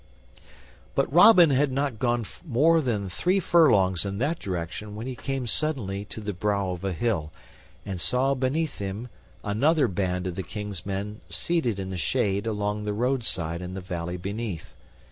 But Robin had not gone more than three furlongs in that direction when he came suddenly to the brow of a hill, and saw beneath him another band of the King's men seated in the shade along the roadside in the valley beneath.